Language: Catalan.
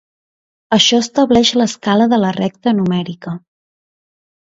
Això estableix l'escala de la recta numèrica.